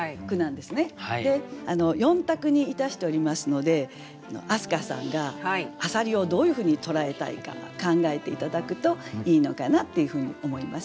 で４択にいたしておりますので明日香さんが浅蜊をどういうふうに捉えたいか考えて頂くといいのかなっていうふうに思います。